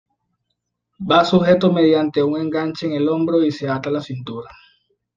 Va sujeto mediante un enganche en el hombro y se ata a la cintura.